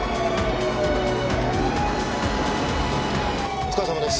お疲れさまです。